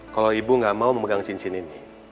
kalau ibu nggak mau memegang cincin ini